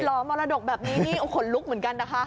รอมรดกแบบนี้โอเคโหลกเหมือนกันนะคะ